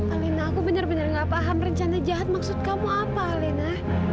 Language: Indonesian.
alina aku benar benar gak paham rencana jahat maksud kamu apa alina